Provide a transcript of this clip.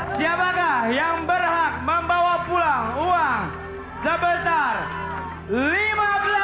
siapakah yang berhak membawa pulang uang sebesar lima belas juta rupiah